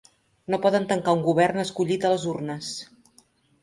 No poden tancar un govern escollit a les urnes.